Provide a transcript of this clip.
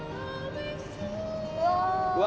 うわ。